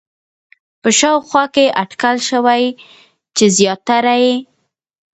په شاوخوا کې اټکل شوی چې زیاتره یې